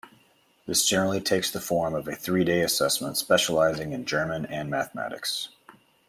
This generally takes the form of a three-day assessment specializing in German and Mathematics.